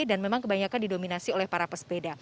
dan memang kebanyakan didominasi oleh para pesepeda